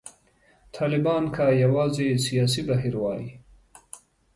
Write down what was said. طالبان که یوازې سیاسي بهیر وای.